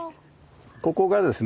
ここがですね